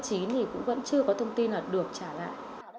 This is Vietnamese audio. thì cũng vẫn chưa có thông tin nào được trả lại